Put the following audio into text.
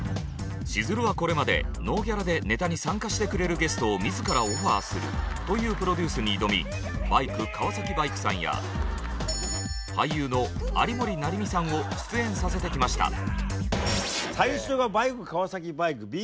しずるはこれまでノーギャラでネタに参加してくれるゲストを自らオファーするというプロデュースに挑みバイク川崎バイクさんや俳優の有森也実さんを出演させてきました。